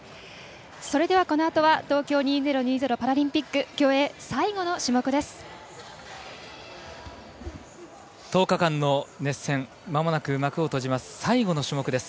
それでは、このあとは東京２０２０パラリンピック競泳最後の種目です。